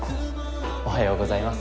おはようございます。